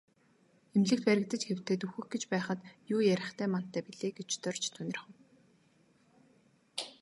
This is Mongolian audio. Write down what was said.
Эмнэлэгт баригдаж хэвтээд үхэх гэж байхад юу ярихтай мантай билээ гэж Дорж тунирхав.